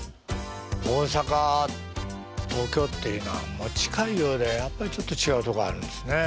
大阪東京っていうのは近いようでやっぱりちょっと違うところあるんですね。